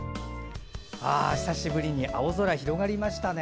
久しぶりに青空、広がりましたね。